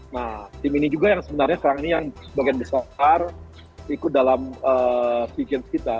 nah tim ini juga yang sebenarnya sekarang ini yang sebagian besar ikut dalam sea games kita